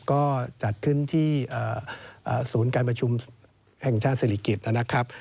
ก็จัดขึ้นที่ศูนย์การประชุมแห่งชาติศิริกิจนะครับ